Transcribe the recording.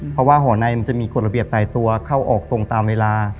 เพราะว่าห่อในมันจะมีกฎระเบียบใต้ตัวเข้าออกตรงตามเวลา